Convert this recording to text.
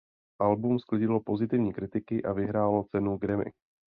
Album sklidilo pozitivní kritiky a vyhrálo cenu Grammy.